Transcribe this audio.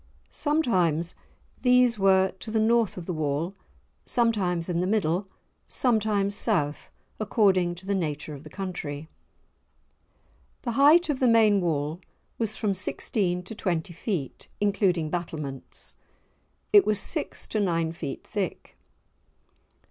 Sometimes these were to the north of the wall, sometimes in the middle, sometimes south, according to the nature of the country. The height of the main wall was from sixteen to twenty feet, including battlements. It was six to nine feet thick.